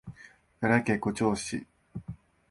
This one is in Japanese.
奈良県五條市